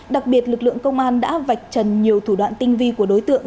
đặc biệt lực lượng công an đã vạch trần nhiều thủ đoạn tinh vi của đối tượng